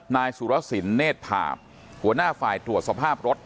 นายสุรสินเนธภาพหัวหน้าฝ่ายตรวจสภาพรถ